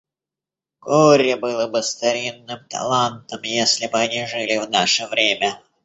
Горе было бы старинным талантам, если бы они жили в наше время.